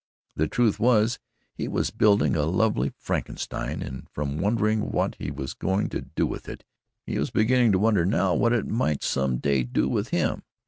The truth was he was building a lovely Frankenstein and from wondering what he was going to do with it, he was beginning to wonder now what it might some day do with him.